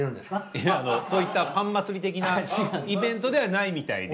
いやあのそういったパン祭り的なイベントではないみたいで。